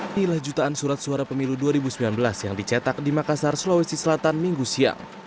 inilah jutaan surat suara pemilu dua ribu sembilan belas yang dicetak di makassar sulawesi selatan minggu siang